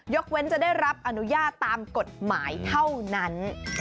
เว้นจะได้รับอนุญาตตามกฎหมายเท่านั้น